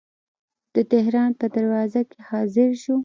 د تهران په دروازه کې حاضر شو.